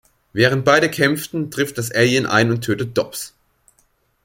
Während beide kämpfen, trifft das Alien ein und tötet Dobbs.